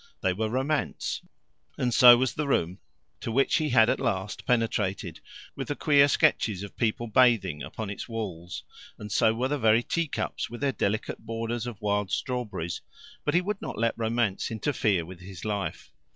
They were Romance, and so was the room to which he had at last penetrated, with the queer sketches of people bathing upon its walls, and so were the very tea cups, with their delicate borders of wild strawberries. But he would not let Romance interfere with his life.